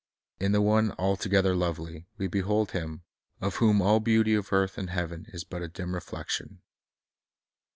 In the One "altogether lovely" we behold Him, of whom all beauty of earth and heaven is but a dim reflection.